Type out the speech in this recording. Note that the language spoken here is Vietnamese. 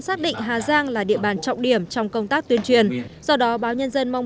xác định hà giang là địa bàn trọng điểm trong công tác tuyên truyền do đó báo nhân dân mong